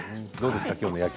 どうですかね